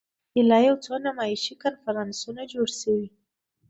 ایله یو څو نمایشي کنفرانسونه جوړ شوي.